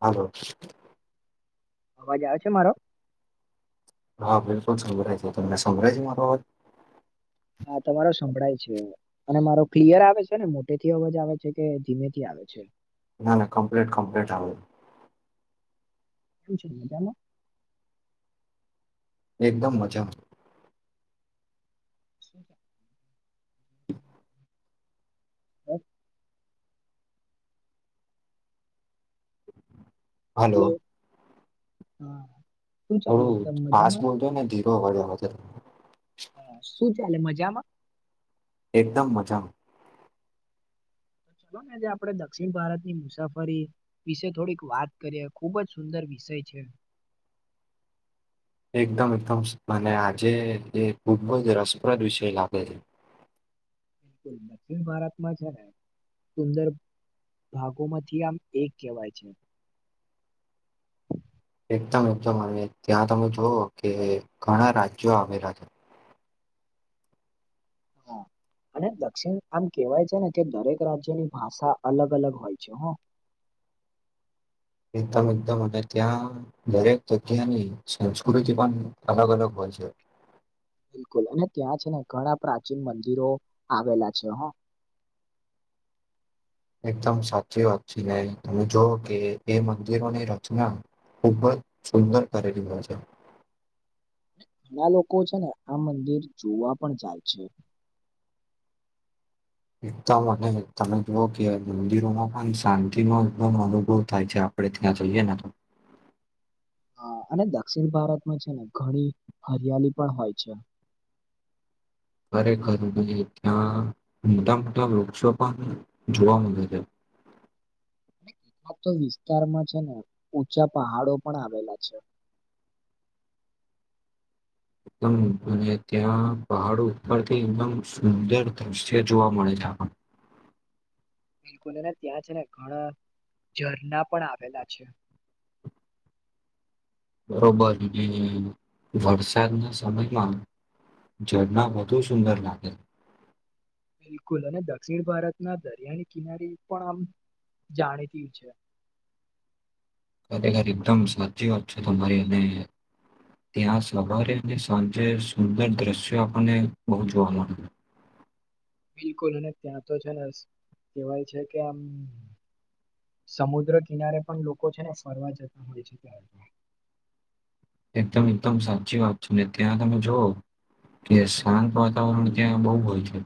હા અવાજ આવ છે મારો હા બિલકુલ સંભળય છે તને સંભળાય છે મારો અવાજ હા તમારો સંભળાય છે અને મારો ક્લિયર આવે છે ને મોટે થી અવાજ આવે છે કે ધીમેથી આવે છે ના ના કમ્પ્લીટ કમ્પ્લીટ આવે કેવું છે મજામાં એકદમ મજા [inaudible] [inaudible] હમ [inaudible] હેલો હલો હા શું ચાલે થોડું એકદમ ફાસ્ટ મજામાં? મો ને ધીરો વ્યા હા શું ચાલે મજામાં એકદમ મજા ચાલલો ને જે આપડે દક્ષિણ ભારતની મુસાફરી વિશે થોડીક વાત કરીએ ખુબ જ સુંદર વિશે વિષય છે એકદમ એકદમ મને આજે ખૂબ જ રસપ્રદ વિષય લાગે છે બિલકુલ દક્ષિણ ભારતમાં છે ને સુંદર ભાગોમાંથી આમ એક કહેવાય છે એકદમ એકદમ અને ત્યાં તમે જોુવ કે ઘણા રાજ્યો આવેલા છે હા અને દક્ષિણ આમ કેવાય છે ને કે દરેક રાજ્યની ભાષા અલગ અલગ હોય છે [inaudible] એકદમ એકદમ અને ત્યાં દરેક જગ્યાની સંસ્કૃતિ પણ અલગ અલગ હોય છે બિલકુલ અને ત્યાં છે ને ઘણા પ્રાચીન મંદિરો આવેલા છે હા એકદમ સાચી વાત છે ને તમે જોવ કે એ મંદિરોની રચના ખૂબ જ સુંદર કરેલી હોય છે ઘણા લોકો છે ને આ મંદિર જોવા પણ જાય છે એકદમ મને તમે જુઓ કે મંદિરોમાં પણ શાંતિનો અનુભવ થાય છે આપડે ત્યાં જોઈએ ને તો [unintelligible] [inaudible] [inaudible] હ અને દક્ષિણ ભારતમાં છે ને ઘણી હરિયાલી પણ હોય છે [unintelligible] [inaudible] [inaudible] ખરેખર ત્યાં મોટા મોટા વૃક્ષો પણ જોવા મળે છે [unintelligible] [inaudible] [inaudible] એલા તો વિસ્તારમાં છે ને ઊંચા પહાડો પણ આવેલા છે [unintelligible] [inaudible] [inaudible] એકદમ અને ત્યાં પહાડ ઉપરથી એકદમ સુંદર દ્રશ્ય જોવા મળે છે આપણને [unintelligible] [inaudible] [inaudible] બિલકુલ ત્યાં છે ને ઘણા ઝરણા પણ આવેલા છે [unintelligible] [inaudible] [inaudible] બરોબર વરસાદ ના સમયમાં ઝરણા વધુ સુંદર લાગે બિલકુલ અને દક્ષિણ ભારતના દરિયાની કિનારી પણ આમ જાણીતી છે ખરેખર એકદમ સાચી વાત છે તમારી એને ત્યાં સવારે અને સાંજે સુંદર દ્રશ્ય આપને પહોચવા મણે બિલકુલ અને ત્યાં તો છે ને કવાય છે કે આમ સમુદ્ર કિનારે પણ લોકો છે ને ફરવા જતા હોય છે ત્યારે એકદમ એકદમ સાચી વાત છે ને ત્યાં તમે જોઓ કે શાંત વાતાવરણ ત્યાં બહુ હોય છે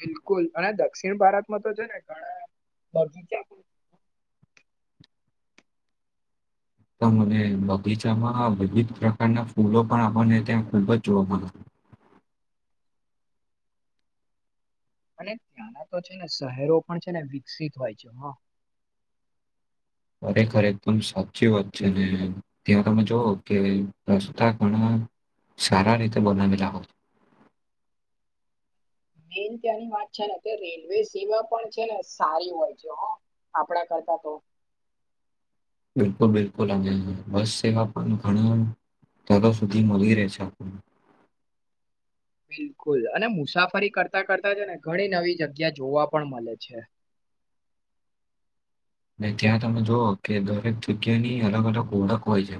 બિલકુલ અને દક્ષિણ ભારતમાં તો છે ને ઘણા તો મને બગીચામાં વિવિધ પ્રકારના ફૂલો પણ આપણને ત્યાં ખૂબ જ જોવા મળે [unintelligible] [inaudible] [inaudible] અને ત્યાંના તો છે ને શહેરો પણ છે ને વિકસિત હોય છે હ ખરેખર એકદમ સાચી વાત છે ત્યાં તમે જોઓ કે રસ્તા ઘણા સારા રીતે બનાવેલા હો [inaudible] મેન ત્યાંની વાત છે ને તે રેલવે સેવા પણ છે ને સારી હોય છે આપણા કર થબો. બિલકુલ બિલકુલ અ બસ સેવા આપ ઘણ તાલ સુધી મળી રહે છે આપણ [inaudible] બિલકુલ અને મુસાફરી કરતા કરતા જ ને ઘણી નવી જગ્યા જોવા પણ મળે છે. [inaudible] ને ત્યાં તમે જોુઓ કે દરેક જગ્યાની અલગ અલગ ઓળખ હોય છે.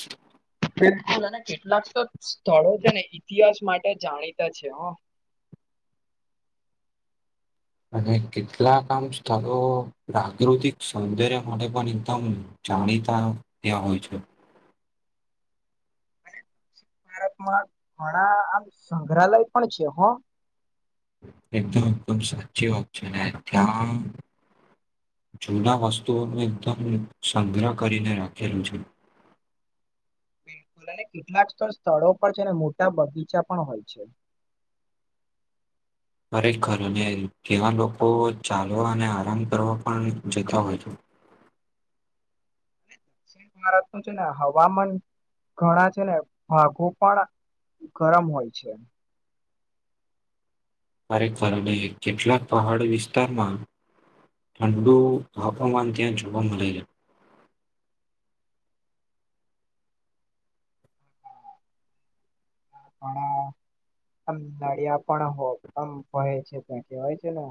[inaudible] બિલકુલ અને કેટલાક તો સ્થળો છે ને ઇતિહાસ માટે જાણીતા છે હ અને કેટલાક આમ સ્થળો પ્રકૃતિક સૌંદર્ય માટે પણ એકદમ જાણીતા ત્યાં હોય છે. અને દક્ષિણ ભારતમાં ઘણા આમ સંગ્રહાલય પણ છે હ. એકદમ એકદમ સાચી ઓપ્શન હ જમ. જૂના વસ્તુઓનું એકદમ સંગ્રહ કરીને રાખેલું છે. [inaudible] બિલકુલ અને કેટલાક સ્થળો પર છે અને મોટા બગીચા પણ હોય છે. [inaudible] ખરેખર અને ત્યાં લોકો ચાલવા અને આરામ કરવા પણ જતા હોય છે. [inaudible] અને દક્ષિણ ભારતનું છે ને હવામાન ઘણા છે ને ગરમ હોય છે. ખરેક ફરણે કેટલાક પહાડી વિસ્તારમાં ઠંડુ તાપમાન ત્યાં જોવા મળે છે. પણણ આમ નળિયા પણ હો આમ વય છે ત્યાં કેહેવાય છે ને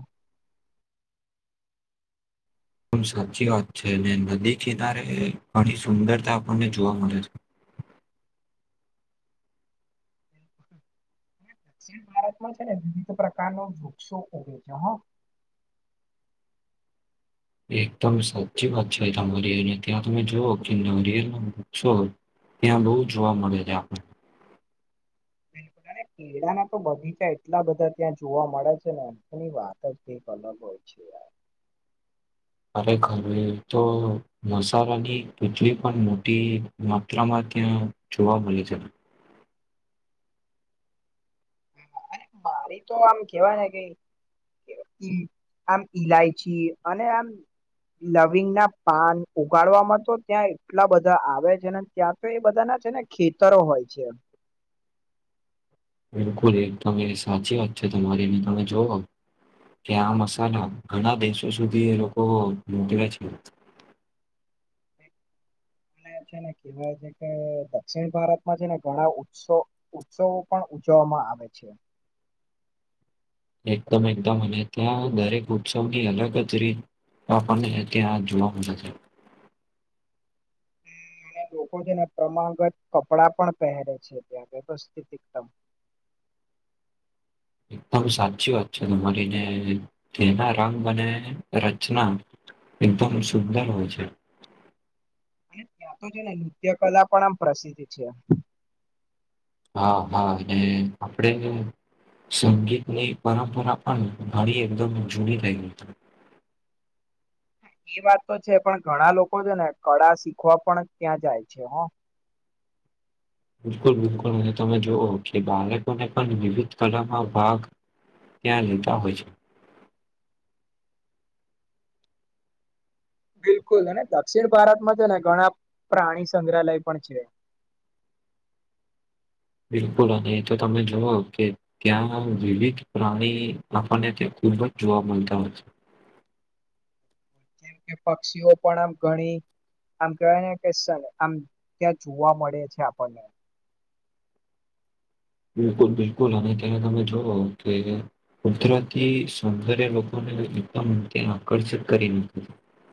સાચી વાત છે અને નદી કિનારે ઘણી સુંદરતા આપણને જોવા મળે છે. [inaudible] દક્ષિણ ભારતમાં છે ને વિવિધ પ્રકારના વૃક્ષો ઉગે છે હ. [unintelligible] એકદમ સાચી વાત છે ધવરિયલ ને ત્યાં તમે જો કે નવરિયર પૂછો ત્યાં બહુ જોવા મળે છે આપણને. [inaudible] કેળા ના તો બગીચા એટલા બધા ત્યાં જોવા મળે છે ને એની વાત જ એક અલગ હોય છે. [inaudible] તો મસાલાની ખેતી પણ મોટી માત્રામાં ત્યાં જોવા મલી છે. મારી તો આમ કેવાય ને કેઈ આમ ઈલાયચી અને આમ લવિંગ ના પાન ઉગાડવાવામાં તો ત્યાં એટલા બધા આવે છે ને ત્યાં તો એ બધા ના છે ને ખેતરો હોય છે. બિલકુલ એક તમે સાચી વાત છે તમારીને તમે જુઓ. કે આ મસાલા ઘણા દેશો સુધી એ લોકો મોકલે છે. [unintelligible] અને છે ને કેહેવાય છે કે દક્ષિણ ભારતમાં છે ને ઘણા ઉત્સવ ઉત્સવ પણ ઉજવવામાં આવે છે. એકદમ એકદમ અને ત્યાં દરેક ઉત્સવની અલગ જ રીત આપણને ત્યાં જોવા મળે છે. [unintelligible] હમ્મ. ત્યાં લોકો છે ને પ્રમાણગત કપડાં પણ પહેરે છે ત્યાં વ્યવસ્થિત એકદમ. [inaudible] એકદમ સાચી વાત છે તમારી, ને તેના રંગ અને રચના એકદમ સુંદર હોય છે. [inaudible] ત્યાં તો છે ને નૃત્ય કલા પણ આમ પ્રસિદ્ધ છે. હા, હા અને આપણેે [unintelligible] સંગીતની પરંપરા પણ ઘણી એકદમ જૂની ગઈ હતી. [inaudible] હા એ વાત તો છે પણ ઘણા લોકો છે ને કળા શીખવા પણ ત્યાં જાય છે હ. બિલકુલ-બિલકુલ અને તમે જુઓ કે બાળકોને પણ વિવિધ કલામાં ભાગ ત્યાં લેતાં હોય છે. બિલકુલ અને દક્ષિણ ભારતમાં તો ને ઘણા પ્રાણી સંગ્રહાલય પણ છે. [inaudible] બિલકુલ અને એ તો તમે જુઓ કે ત્યાં વિવિધ પ્રાણી આપણનેં [unintelligible] ખૂબ જ જોવા મલતા હોય છે. જેમ કે પક્ષીઓ પણ આમ ઘણી આમ કહેવાય ને કે સર આમ ત્યાં જોવા મળે છે આપણને. બિલકુલ-બિલકુલ અને ત્યારે તમે જુઓ કે કુદરતી સૌંદર્ય લોકોને ને એકદમ ત્યાં આકર્ષિત કરી મૂકે છે.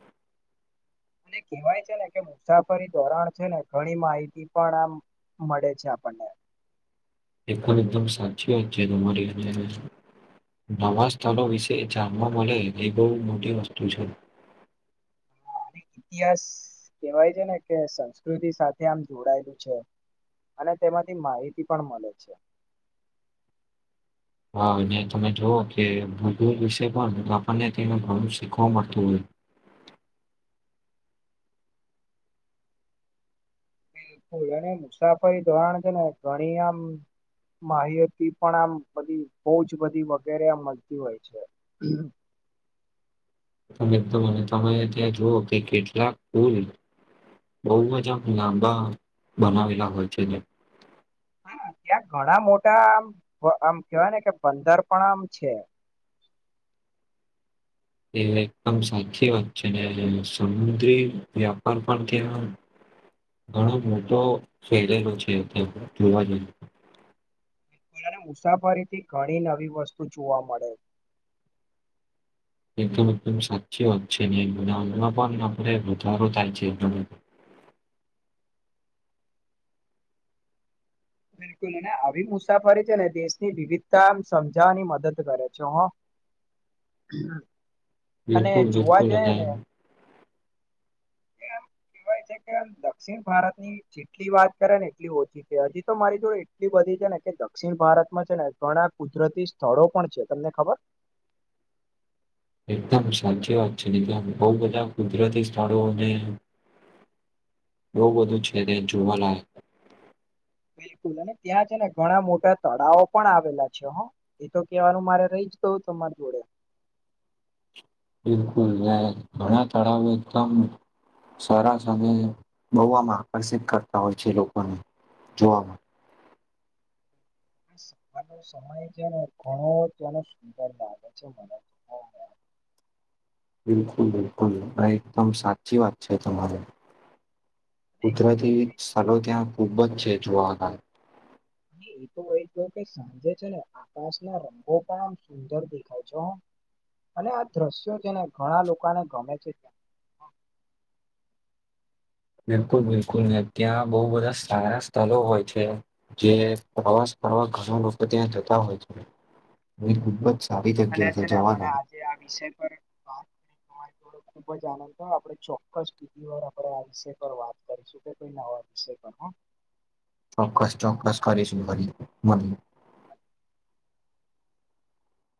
[inaudible] અને કેહેવાય છે ને કે મુસાફરી ધોરણ છે ને ઘણી માહિતી પણ આમ મળે છે આપણને. એ પણ એકદમ સાચી વાત છે તમારી અને નવા સ્થળો વિશે જાણવા મળે એ બહુ મોટી વસ્તુ છે. [unintelligible] ઇતિહાસ કહેવાય છે ને કે સંસ્કૃતિ સાથે આમ જોડાયેલું છે. અને તેમાંથી માહિતી પણ મલે છે. હા અને તમે જોઓ કે [unintelligible] વિશે પણ આપણને તેમાં ઘણું શીખવા મળતું હોય [inaudible] [unintelligible] એને મુસાફરી ધોરણ છે ને ઘણી આમ માહિયતી પણ આમ બધી બહુ જ બધી વગેરે આ મલતી હોય છે. [inaudible] એકદમ અને તમે ત્યાં જુઓ કે કેટલા કુલ બહુ જ આમા લાંબા બનાવેલા હોય છે એને. હા, ત્યાં ઘણા મોટા આમ વ આમ કેવાય ને કે બંદર પણ આમ છે [inaudible] એ એકદમ સાચી વાત છે, ને સમુદ્રી વ્યાપાર પણ ત્યાં ઘણો મોટો ફેલેલો છે તે જોવા જઈ [unintelligible] [unintelligible] અને મુસાફરીથી ઘણી નવી વસ્તુ જોવા મળે. એકદમ-એકદમ સાચી વાત છે, ને બનાવમાં પણ આપણે વધારો થાય છે એકદમ. [inaudible] બિલકુલ અને આવી મુસાફરી છે ને દેશની વિવિધતા આમ સમજાવવાની મદદ કરે છે હો. અને બિલકુલ જોવા બિલકુલ જાય ને અને એમ કહેવાય છે કે આમ દક્ષિણ ભારત ની જેટલી વાત કરે ને એટલી ઓછી છે, હજી તો મારી જોડે એટલી બધી છે ને કે દક્ષિણ ભારતમાં છે ને ઘણા કુદરતી સ્થળો પણ છે. તમને ખબર? [inaudible] એકદમ સાચી વાત છે, ને ત્યાં બહુ બધા કુદરતી સ્થળોને બહુ બધું છે તે જોવાના બિલકુલ અને ત્યાં છે ને ઘણા મોટા તળાવો પણ આવેલા છે હ એ તો કેવાનું મારે રહી જ તો તમારી જોડે બિલકુલ ઘણા તળાવો એકદમ સસ અને બહ આમ આકર્ષિત કરતા હોય છે લોકોને જોવા સવા ન સમય છે ને ઘણો તેનો સુંદર લાગે છે મને તો બ બિલકુલ બિલકુલ એકદમ સાચી વાત છે તમારે કુદરાતી સ્થળો ત્યાં ખૂબ જ છે જોવા હતા એ તો એય ગ કે સાંજે છે ને આકાશના રંગો પણ આમ સુંદર દેખાય છે અને આ દ્રશ્યો છેને ઘણા લોકોને ગમે છે ત્યાં બિલકુલ બિલકુલ ને ત્યાં બહુ બધા સારા સ્થળ હોય છે જે પ્રવાસ આવા ઘણા લોકો ત્યાં જતા હોય છે એ ખૂબ જ સારી અને જગ્યા છે ને મને જવાના આજે આ વિષય પર વાત કરી ખુબ જ આનંદ આપણે ચોક્કસ પીધી વાર આપણે આ વિષય પર વાત કરીશું કે કોઈ નવા વિષય પર ચોક્કસ ખૂબ જાણવા મળ્યું ચોક્કસ કરશ ઘરી મરી